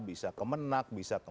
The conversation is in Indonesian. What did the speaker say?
bisa ke menak bisa ke